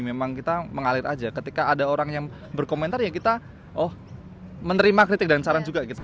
memang kita mengalir aja ketika ada orang yang berkomentar ya kita oh menerima kritik dan saran juga gitu